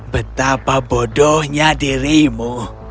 betapa bodohnya dirimu